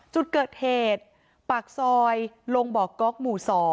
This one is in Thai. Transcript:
จุดเกิดเหตุปากซอยลงบ่อก๊อกหมู่๒